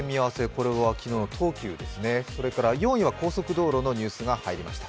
これは昨日の東急ですね、４位は高速道路のニュースが入りました。